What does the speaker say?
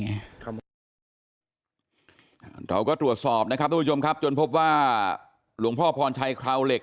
เราก็ตรวจสอบนะครับทุกผู้ชมครับจนพบว่าหลวงพ่อพรชัยคราวเหล็ก